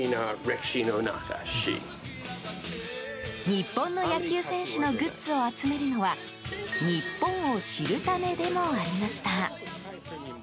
日本の野球選手のグッズを集めるのは日本を知るためでもありました。